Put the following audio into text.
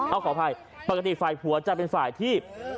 เอาขออภัยปกติฝ่ายผัวจะเป็นฝ่ายที่